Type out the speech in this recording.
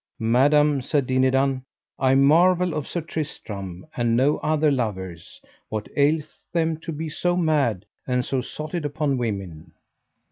Madam, said Dinadan, I marvel of Sir Tristram and mo other lovers, what aileth them to be so mad and so sotted upon women.